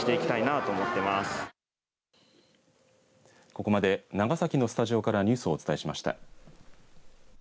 ここまで長崎のスタジオからニュースをお伝えしました。